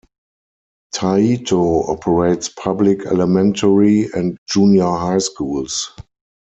Taito operates public elementary and junior high schools.